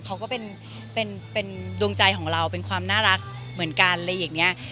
เขาก็เป็นดวงใจของเราเป็นความน่ารักเหมือนกันอะไรอย่างนี้